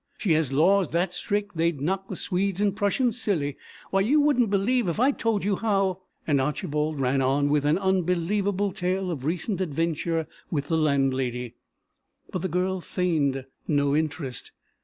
She has laws that strict they'd knock the Swedes and Prussians silly. Why, you wouldn't believe if I told you how " And Archibald ran on with an unbelievable tale of recent adventure with the landlady. But the girl feigned no interest.